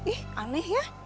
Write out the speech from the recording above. ih aneh ya